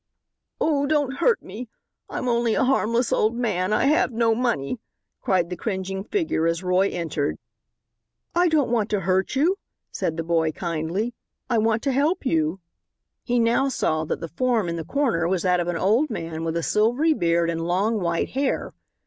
"Oh, don't hurt me! I'm only a harmless old man! I have no money," cried the cringing figure, as Roy entered. "I don't want to hurt you," said the boy kindly; "I want to help you." He now saw that the form in the corner was that of an old man with a silvery beard and long white hair.